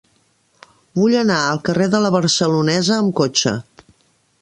Vull anar al carrer de La Barcelonesa amb cotxe.